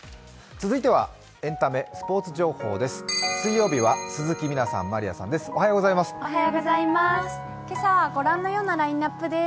続いてはエンタメ・スポーツ情報です。